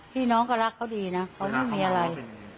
พี่น้องก็รักเขาดีนะเขาไม่มีอะไร